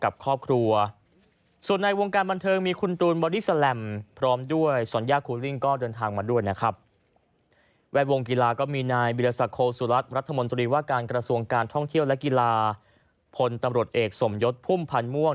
บริษัทมนตรีว่าการกระทรวงการท่องเที่ยวและกีฬาพลตำรวจเอกสมยศพุ่มพันธ์ม่วง